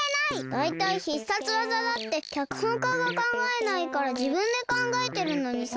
だいたい必殺技だってきゃくほんかがかんがえないからじぶんでかんがえてるのにさ。